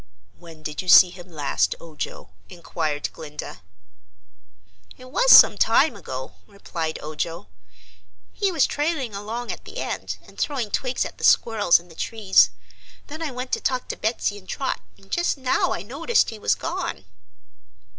"When did you see him last, Ojo?" inquired Glinda. "It was some time ago," replied Ojo. "He was trailing along at the end and throwing twigs at the squirrels in the trees. Then I went to talk to Betsy and Trot, and just now I noticed he was gone."